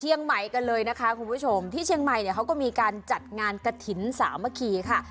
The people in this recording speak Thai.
ใหม่กันเลยนะคะคุณผู้ชมที่เชียงใหม่เนี่ยเขาก็มีการจัดงานกระถิ่นสามัคคีค่ะ